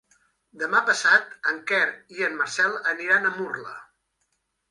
Demà passat en Quer i en Marcel aniran a Murla.